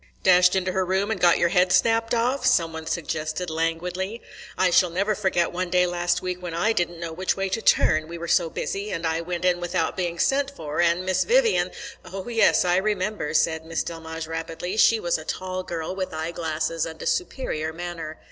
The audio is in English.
"Dashed into her room and got your head snapped off?" some one suggested languidly. "I shall never forget one day last week when I didn't know which way to turn, we were so busy, and I went in without being sent for, and Miss Vivian " "Oh yes, I remember," said Miss Delmege rapidly. She was a tall girl with eyeglasses and a superior manner.